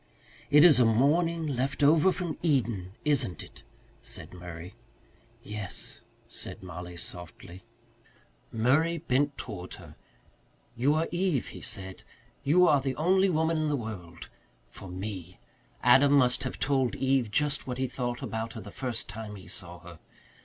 "It is a morning left over from Eden, isn't it?" said Murray. "Yes," said Mollie softly. Murray bent toward her. "You are Eve," he said. "You are the only woman in the world for me. Adam must have told Eve just what he thought about her the first time he saw her.